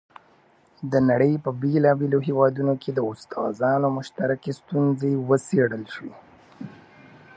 د نړۍ په بېلابېلو هېوادونو کې د استادانو مشترکې ستونزې وڅېړل شوې.